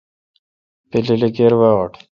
پلیل اے وہ اٹھ۔